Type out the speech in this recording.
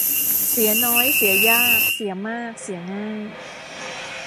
เสียน้อยเสียยาก เสียมากเสียง่าย